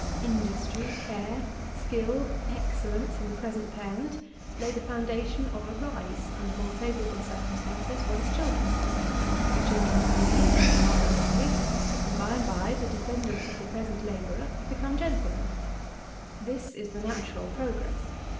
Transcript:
Industry, care, skill, excellence, in the present parent, lay the foundation of a rise, under more favourable circumstances, for his children. The children of these take another rise; and, by and by, the descendants of the present labourer become gentlemen. 14. This is the natural progress.